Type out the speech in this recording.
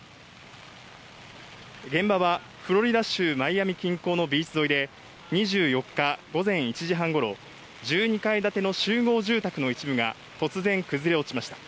現場はフロリダ州マイアミ近郊のビーチ沿いで、２４日午前１時半頃、１２階建ての集合住宅の一部が突然崩れ落ちました。